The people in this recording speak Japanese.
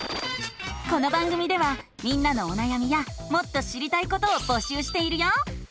この番組ではみんなのおなやみやもっと知りたいことをぼしゅうしているよ！